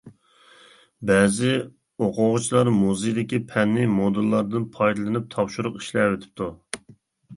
بەزى ئوقۇغۇچىلار مۇزېيدىكى پەننى مودېللاردىن پايدىلىنىپ تاپشۇرۇق ئىشلەۋېتىپتۇ.